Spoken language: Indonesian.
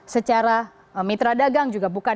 secara mitra darat